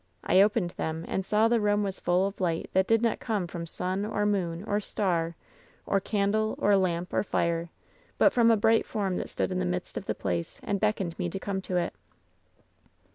I opened them and saw the room was full of light that did not come from sun, or moon, or star, or candle, or lamp, or fire, but from a bright form that stood in the midst of the place and beckoned me to come to it.